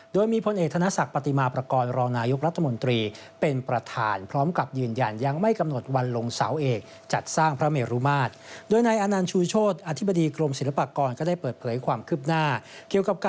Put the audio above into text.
โดยมีพลเอกธนศักดิ์ปฏิมาประกอบรองนายุครัฐมนตรี